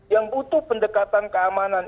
yang butuh pendekatan keamanan